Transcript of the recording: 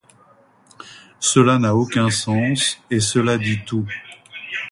Cela n’a aucun sens, et cela dit tout.